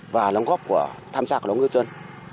và lòng góp của tham gia của lòng ngư dân